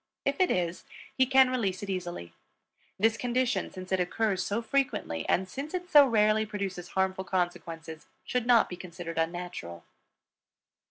If it is, he can release it easily. This condition, since it occurs so frequently and since it so rarely produces harmful consequences, should not be considered unnatural.